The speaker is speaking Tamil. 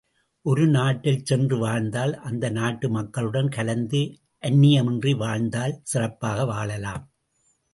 ஒரு நாட்டில் சென்று வாழ்ந்தால், அந்நாட்டு மக்களுடன் கலந்து அந்நியமின்றி வாழ்ந்தால் சிறப்பாக வாழலாம்.